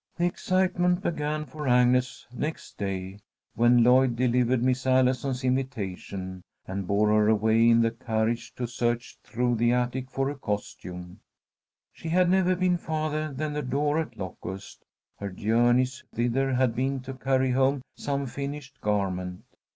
The excitement began for Agnes next day, when Lloyd delivered Miss Allison's invitation, and bore her away in the carriage to search through the attic for a costume. She had never been farther than the door at Locust. Her journeys thither had been to carry home some finished garment.